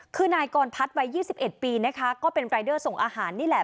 คือนายกรพัฒน์วัย๒๑ปีนะคะก็เป็นรายเดอร์ส่งอาหารนี่แหละ